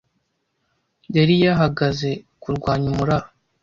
Yari yahagaze kurwanya umuraba